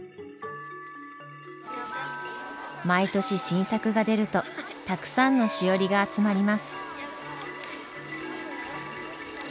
毎年新作が出るとたくさんのしおりが集まります。